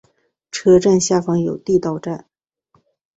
车站下方有地下道。